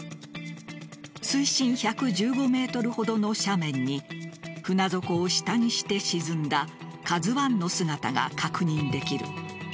水深１１５ｍほどの斜面に船底を下にして沈んだ「ＫＡＺＵ１」の姿が確認できる。